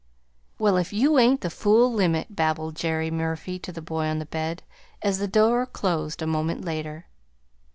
"Well, if you ain't the fool limit!" babbled Jerry Murphy to the boy on the bed, as the door closed a moment later.